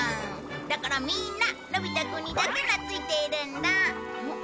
だからみんなのび太くんにだけ懐いているんだ。